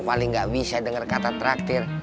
paling gak bisa denger kata traktir